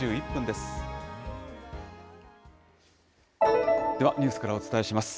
ではニュースからお伝えします。